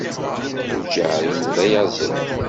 Lǧar-inu d ayaẓiḍ.